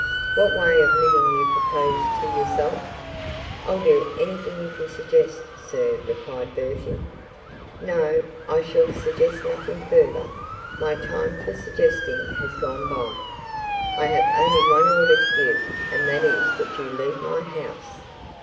what way of living you propose to yourself?' 'I'll do anything you suggest, sir,' said Bertie. 'No, I shall suggest nothing further. My time for suggesting has gone by. I have only one order to give, and that is, that you leave my house.'